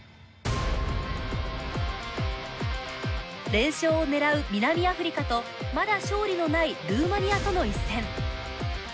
連勝を狙う南アフリカとまだ勝利のないルーマニアとの一戦。